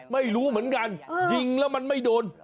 ไม่รู้เหมือนกันยิงแล้วมันไม่โดน